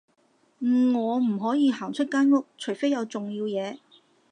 我唔可以行出間屋，除非有重要嘢